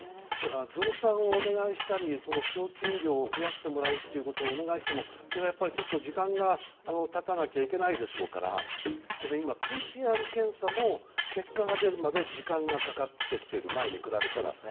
増産をお願いしたり、供給量を増やしてもらうことをお願いしても時間がたたなきゃいけないでしょうからこれ今、ＰＣＲ検査も結果が出るまで時間がかかってきている前に比べたら。